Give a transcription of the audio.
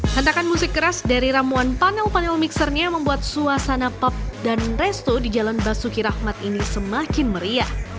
hentakan musik keras dari ramuan panel panel mixernya membuat suasana pup dan resto di jalan basuki rahmat ini semakin meriah